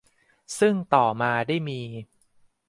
ซึ่งต่อมาได้มี